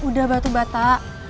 udah batu bata